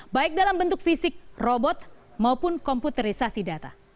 baik dalam bentuk fisik robot maupun komputerisasi data